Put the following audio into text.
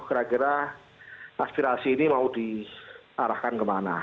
kira kira aspirasi ini mau diarahkan kemana